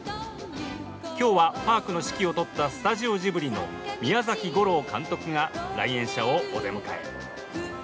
今日はパークの指揮を執ったスタジオジブリの宮崎吾朗監督が来園者をお出迎え。